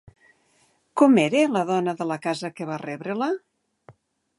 Com era la dona de la casa que va rebre-la?